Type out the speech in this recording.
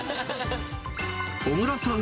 小倉さん